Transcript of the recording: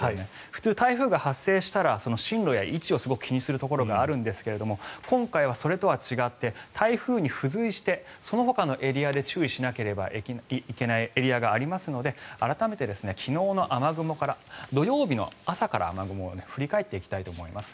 普通、台風が発生したら進路や位置を気にするところがあるんですが今回はそれとは違って台風に付随してそのほかのエリアで注意しなければいけないエリアがありますので改めて昨日の雨雲から土曜日の朝からの雨雲を振り返っていきたいと思います。